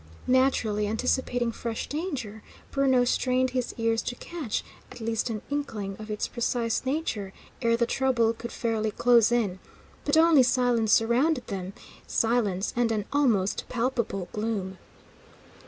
Naturally anticipating fresh danger, Bruno strained his ears to catch at least an inkling of its precise nature ere the trouble could fairly close in; but only silence surrounded them, silence, and an almost palpable gloom.